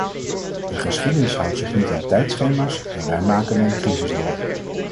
De geschiedenis houdt zich niet aan tijdschema's en wij maken een crisis door.